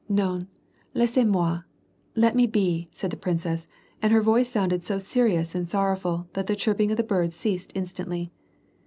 "iVbn, laissez mot! — let me be,? said the princess, and her voice sounded so serious and sorrowful that the chirping of the birds ceased instantly.